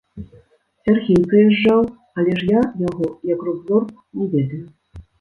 Сяргей прыязджаў, але ж я яго як рок-зорку не ведаю.